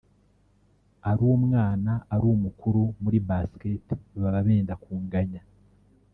ari umwana ari umukuru muri basket baba benda kunganya